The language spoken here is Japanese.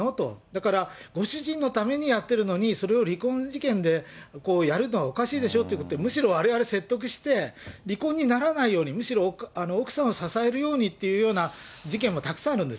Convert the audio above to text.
だから、ご主人のためにやってるのに、それを離婚事件でやるのはおかしいでしょってことで、むしろ、われわれ説得して、離婚にならないように、むしろ奥さんを支えるようにっていうような事件もたくさんあるん